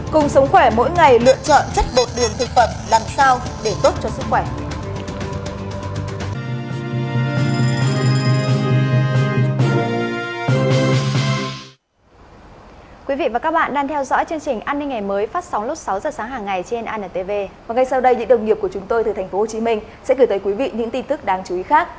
cùng sống khỏe mỗi ngày lựa chọn chất bột đường thực phẩm